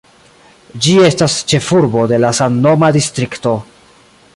Ĝi estas ĉefurbo de la samnoma distrikto.